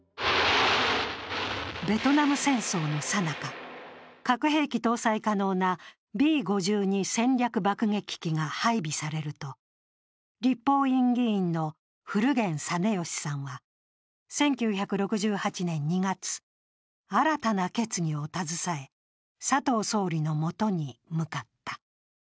ベトナム戦争のさなか、核兵器搭載可能なＢ５２戦略爆撃機が配備されると立法院議員の古堅実吉さんは１９６８年２月、新たな決議を携え、佐藤総理のもとに向かった。